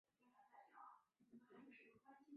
他出生在德国。